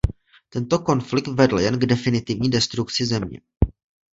Tento konflikt vedl jen k definitivní destrukci země.